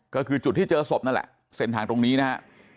ก็คือจุดที่เจอศพนั่นแหละเส้นทางตรงนี้นะฮะ